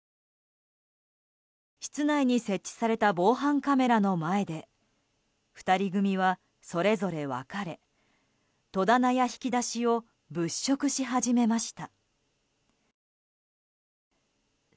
室内に設置された防犯カメラの前で２人組はそれぞれ分かれ戸棚や引き出しを物色し始めました。